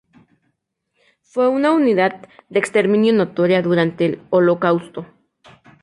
Fue una unidad de exterminio notoria durante el Holocausto.